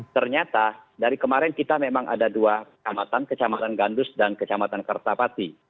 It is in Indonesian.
ternyata dari kemarin kita memang ada dua kecamatan kecamatan gandus dan kecamatan kertapati